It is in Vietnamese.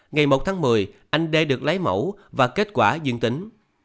ngày một tháng một mươi anh đê được lấy mẫu và kết quả dương tính